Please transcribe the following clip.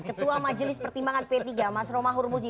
ketua majelis pertimbangan p tiga mas romah hurmusi